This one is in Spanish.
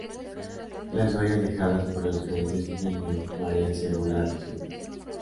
Las huellas dejadas por los diferentes Niño varían según las regiones.